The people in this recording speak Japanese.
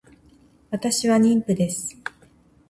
私は妊婦です